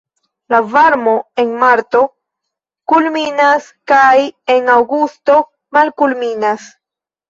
La varmo en marto kulminas kaj en aŭgusto malkulminas.